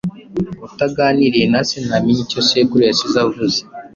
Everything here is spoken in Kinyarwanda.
Utaganiriye na se ntamenya icyo sekuru yasize avuze